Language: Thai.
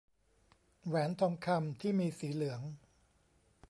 แหวนทองคำที่มีสีเหลือง